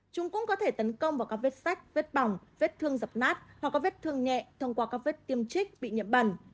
chúng cũng có thể tấn công vào các vết sách vết bỏng vết thương dập nát hoặc có vết thương nhẹ thông qua các vết tiêm trích bị nhiễm bẩn